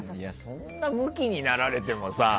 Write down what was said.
そんなムキにならなくてもさ。